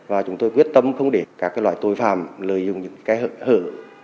và chúng tôi quyết tâm không để các loại tội phạm lợi dụng những hợp hợp